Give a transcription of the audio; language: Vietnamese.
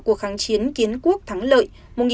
cuộc kháng chiến kiến quốc thắng lợi